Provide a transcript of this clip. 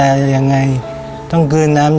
โรค